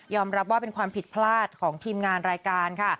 รับว่าเป็นความผิดพลาดของทีมงานรายการค่ะ